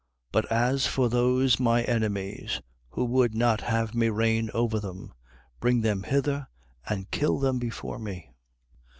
19:27. But as for those my enemies, who would not have me reign over them, bring them hither and kill them before me.